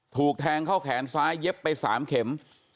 ถูกแทงเข้าแขนซ้ายเย็บไป๓เข็ม